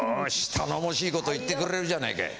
頼もしいこと言ってくれるじゃないかい。